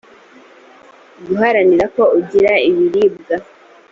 guharanira ko ugira ibiribwa